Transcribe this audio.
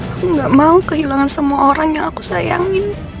aku gak mau kehilangan semua orang yang aku sayangin